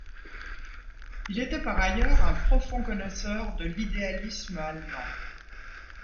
Il était par ailleurs un profond connaisseur de l’idéalisme allemand.